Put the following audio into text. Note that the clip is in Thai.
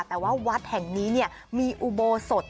แต่ว่าวัดแห่งนี้มีอุโบสถ